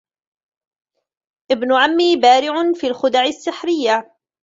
ابن عمي بارع في الخدع السحرية.